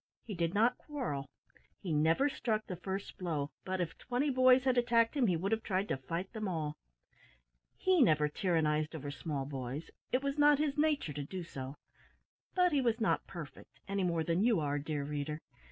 He did not quarrel. He never struck the first blow, but, if twenty boys had attacked him, he would have tried to fight them all. He never tyrannised over small boys. It was not his nature to do so; but he was not perfect, any more than you are, dear reader.